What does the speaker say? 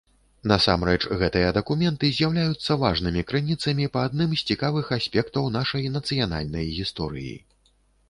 Насамрэч, гэтыя дакументы з'яўляюцца важнымі крыніцамі па адным з цікавых аспектаў нашай нацыянальнай гісторыі.